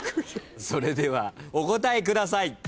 それではお答えください。